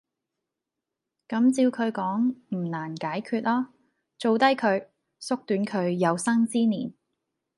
咁照佢講唔難解決喔，做低佢!縮短佢有生之年!